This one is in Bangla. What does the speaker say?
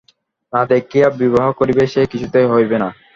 না দেখিয়া বিবাহ করিবে, সে কিছুতেই হইবে না।